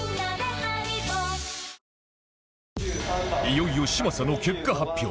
いよいよ嶋佐の結果発表